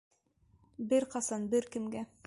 Бер ҡасан, бер кемгә!